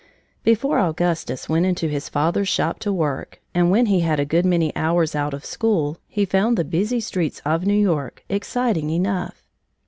Before Augustus went into his father's shop to work, and when he had a good many hours out of school, he found the busy streets of New York exciting enough.